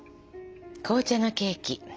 紅茶のケーキ。